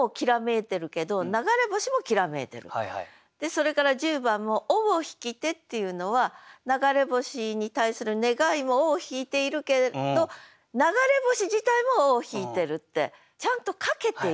それから１０番も「尾を引きて」っていうのは流れ星に対する願いも尾を引いているけれどってちゃんとかけている。